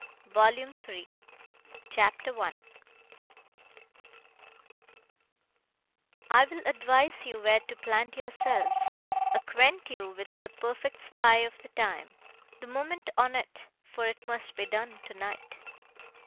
VOLUME 3 CHAPTER I I will advise you where to plant yourselves; Acquaint you with the perfect spy o' the time, The moment on 't; for 't must be done tonight.